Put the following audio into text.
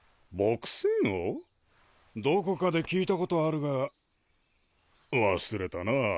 どこかで聞いたことあるが忘れたなあ。